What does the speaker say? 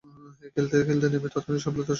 খেলতে নেমে তাৎক্ষণিক সফলতার স্বাক্ষর রাখেন।